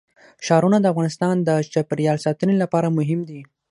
ښارونه د افغانستان د چاپیریال ساتنې لپاره مهم دي.